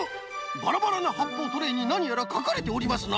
バラバラなはっぽうトレーになにやらかかれておりますな？